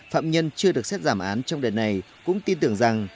phạm nhân chưa được xét giảm án trong đợt này cũng tin tưởng rằng